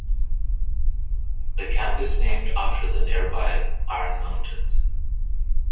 The camp is named after the near by Iron Mountains.